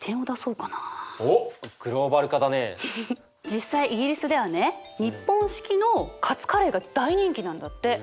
実際イギリスではね日本式のカツカレーが大人気なんだって。